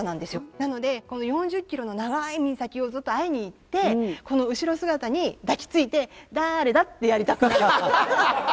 なのでこの４０キロの長い岬をずっと会いに行ってこの後ろ姿に抱きついて「だれだ？」ってやりたくなる。